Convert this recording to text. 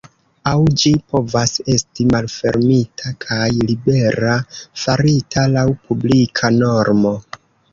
Aŭ ĝi povas esti malfermita kaj libera, farita laŭ publika normo.